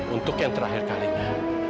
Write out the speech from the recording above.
untuk yang terakhir kalinya